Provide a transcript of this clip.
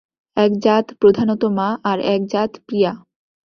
এক জাত প্রধানত মা, আর-এক জাত প্রিয়া।